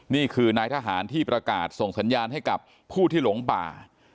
นี่คือนายทหารที่ประกาศส่งสัญญาณให้กับผู้ที่หลงป่า